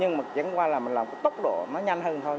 nhưng chẳng qua là mình làm tốc độ nó nhanh hơn thôi